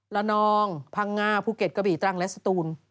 นองพังงาภูเก็ตกระบี่ตรังและสตูน